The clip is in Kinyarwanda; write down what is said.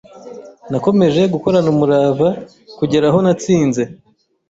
nakomeje gukorana umurava kugera aho natsinze